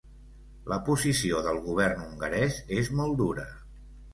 La posició del govern hongarès és molt dura.